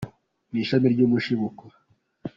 Ni ishami ry’umushibuko